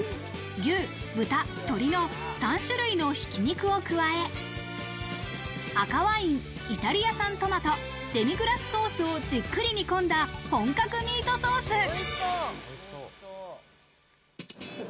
牛豚鶏の３種類の挽き肉を加え、赤ワイン、イタリア産トマト、デミグラスソースをじっくり煮込んだ本格ミートソース。